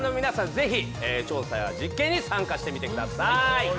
ぜひ、調査や実験に参加してみてください。